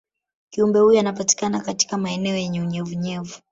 kiumbe huyo anapatikana katika maeneo yenye unyevunyevu